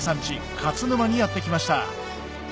勝沼にやって来ました